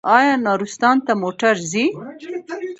آیا نورستان ته موټر ځي؟